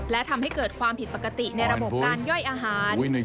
และทำให้เกิดความผิดปกติในระบบการย่อยอาหาร